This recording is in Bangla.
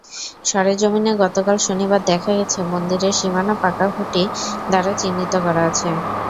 সরেজমিনে গতকাল শনিবার দেখা গেছে, মন্দিরের সীমানা পাকা খুঁটি দ্বারা চিহ্নিত করা আছে।